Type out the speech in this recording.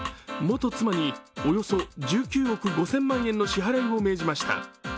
元妻におよそ１９億５０００万円の支払いを命じました。